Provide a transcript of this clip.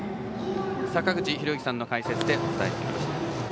坂口裕之さんの解説でお伝えしてきました。